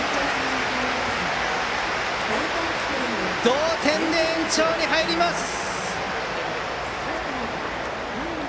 同点で延長に入りました。